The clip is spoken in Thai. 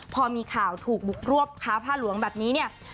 พอมีข่าวถูกบุกรวบค้าผ้าหลวงแบบนี้เนี่ย